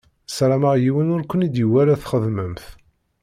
Sarameɣ yiwen ur ken-id-iwala txeddmem-t.